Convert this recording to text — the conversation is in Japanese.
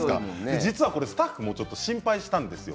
実は、これスタッフも心配したんですよ。